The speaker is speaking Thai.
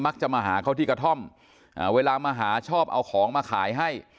จะมาหาเขาที่กระท่อมเวลามาหาชอบเอาของมาขายให้